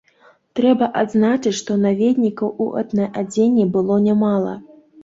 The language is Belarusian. Трэба адзначыць, што наведнікаў у этнаадзенні было нямала.